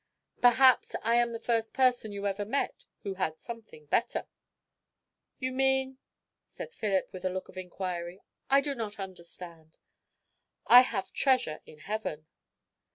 "Perhaps I am the first person you ever met who had something better." "You mean ?" said Philip, with a look of inquiry. "I do not understand." "I have treasure in heaven."